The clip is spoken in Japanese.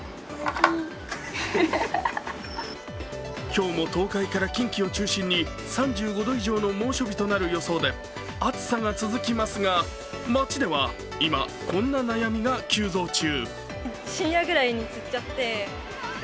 今日も東海から近畿を中心に３５度以上の猛暑日となる予想で、暑さが続きますが、街では今、こんな悩みが急増中。